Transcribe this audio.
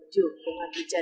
trưởng công an thủy chấn